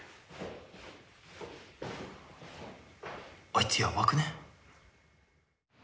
あいつヤバくね？